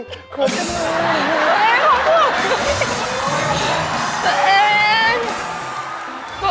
โอโฮมึงหนึ่งละครับเอรอ